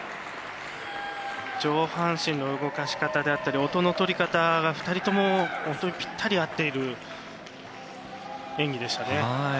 上半身の動かし方であったり音の取り方が２人とも本当にぴったり合っている演技でしたね。